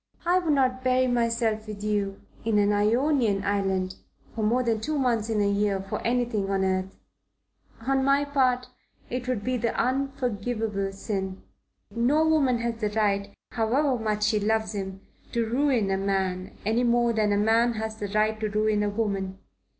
"I would not bury myself with you in an Ionian island for more than two months in a year for anything on earth. On my part, it would be the unforgivable sin. No woman has the right, however much she loves him, to ruin a man, any more than a man has the right to ruin a woman.